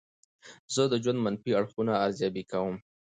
زه د ژوند منفي اړخونه ارزیابي کوم.